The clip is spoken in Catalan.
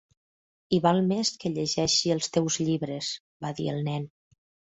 "I val més que llegeixi els teus llibres", va dir el nen.